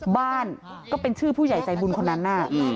บ้านก็เป็นชื่อผู้ใหญ่ใจบุญคนนั้นน่ะ